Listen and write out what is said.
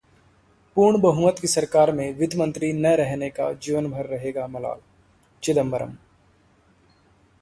पूर्ण बहुमत की सरकार में वित्त मंत्री न रहने का जीवनभर रहेगा मलाल: चिदंबरम